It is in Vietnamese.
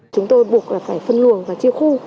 chúng tôi buộc là phải phân luồng và chia khu